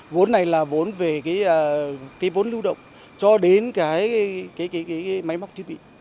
vốn này là vốn về cái vốn lưu động cho đến cái máy móc thiết bị